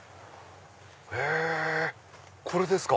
へぇこれですか！